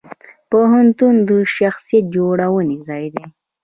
پوهنتون د شخصیت جوړونې ځای دی.